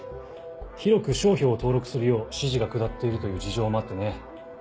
広く商標を登録するよう指示が下っているという事情もあってね。